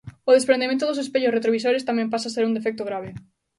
O desprendemento dos espellos retrovisores tamén pasa a ser un defecto grave.